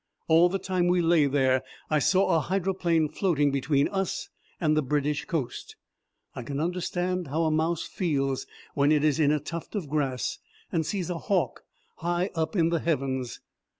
All the time we lay there I saw a hydroplane floating between us and the British coast. I can understand how a mouse feels when it is in a tuft of grass and sees a hawk high up in the heavens.